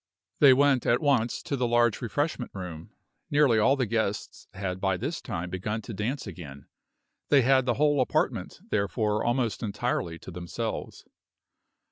They went at once to the large refreshment room. Nearly all the guests had by this time begun to dance again. They had the whole apartment, therefore, almost entirely to themselves.